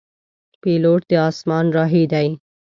پیلوټ د اسمان راهی دی.